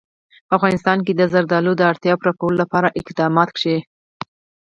په افغانستان کې د زردالو د اړتیاوو پوره کولو لپاره اقدامات کېږي.